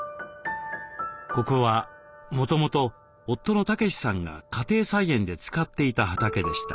ここはもともと夫の武士さんが家庭菜園で使っていた畑でした。